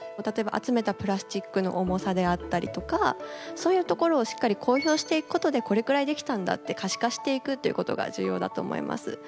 例えば集めたプラスチックの重さであったりとかそういうところをしっかり公表していくことでこれくらいできたんだって可視化していくっていうことが重要だと思います。